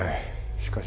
しかし。